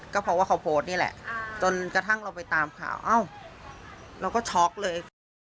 ก็เพราะว่าเขาโพสต์นี่แหละจนกระทั่งเราไปตามข่าวเอ้าเราก็ช็อกเลย